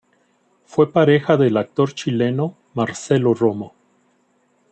Fue pareja del actor chileno Marcelo Romo.